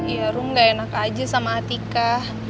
ya rum gak enak aja sama atika